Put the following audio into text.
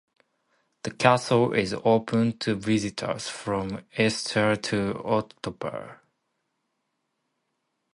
The castle is open to visitors from Easter to October.